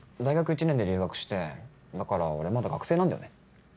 １年で留学してだから俺まだ学生なんだよね。